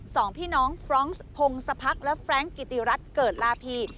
สองพี่น้องฟร้องซ์พงศพรรคและฟร้างกิติรัตรเกิดลาพี